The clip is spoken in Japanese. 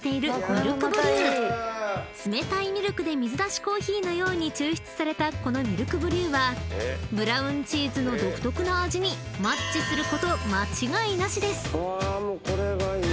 ［冷たいミルクで水出しコーヒーのように抽出されたこのミルクブリューはブラウンチーズの独特な味にマッチすること間違いなしです！］